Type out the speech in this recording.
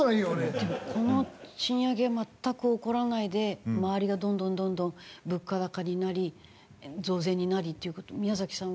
でもこの賃上げ全く起こらないで周りがどんどんどんどん物価高になり増税になりっていう事宮崎さんは？